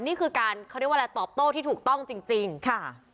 นี่คือการเขาเรียกว่าอะไรตอบโต้ที่ถูกต้องจริงจริงค่ะ